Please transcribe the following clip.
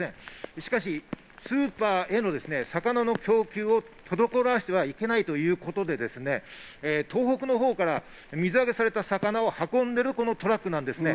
しかしスーパーへの魚の供給を滞らせてはいけないということで、東北のほうから水揚げされた魚を運んでいるトラックなんです。